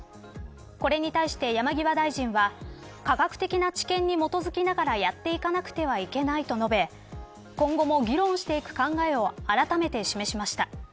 これに対して山際大臣は科学的な知見に基づきながらやっていかなくてはいけないと述べ今後も議論していく考えをあらためて示しました。